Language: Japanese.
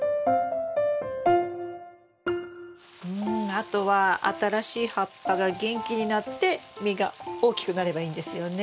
あとは新しい葉っぱが元気になって実が大きくなればいいんですよね。